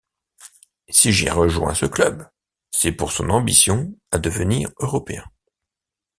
Si j'ai rejoint ce club, c'est pour son ambition à devenir européen.